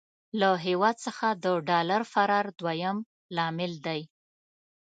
له هېواد څخه د ډالر فرار دويم لامل دی.